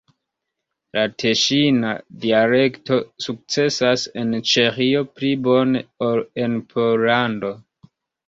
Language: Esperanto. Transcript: La teŝina dialekto sukcesas en Ĉeĥio pli bone ol en Pollando.